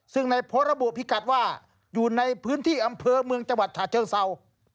ซึ่งในโพสต์ระบุพิกัดว่าอยู่ในพื้นที่อำเภอเมืองจังหวัดฉะเชิงเศร้า